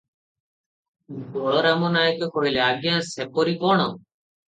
ବଳରାମ ନାୟକେ କହିଲେ, "ଆଜ୍ଞା ସେପରି କଣ?